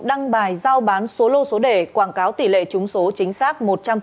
đăng bài giao bán số lô số đề quảng cáo tỷ lệ chúng số chính xác một trăm linh